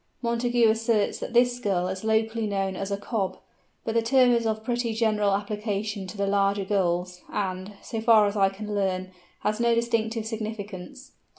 Montagu asserts that this Gull is locally known as a "Cob," but the term is of pretty general application to the larger Gulls, and, so far as I can learn, has no distinctive significance.